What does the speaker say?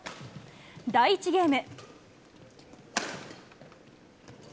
第１ゲーム。